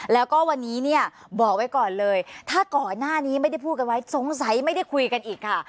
แล้วก็วันนี้เนี่ยบอกไว้ก่อนเลยถ้าก่อนหน้านี้ไม่ได้พูดกันไว้สงสัยไม่ได้คุยกันอีกค่ะ